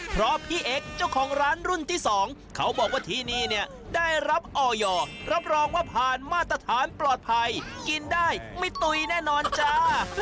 เพราะพี่เอ็กซ์เจ้าของร้านรุ่นที่๒เขาบอกว่าที่นี่เนี่ยได้รับออยอร์รับรองว่าผ่านมาตรฐานปลอดภัยกินได้ไม่ตุ๋ยแน่นอนจ้า